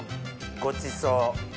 ごちそう。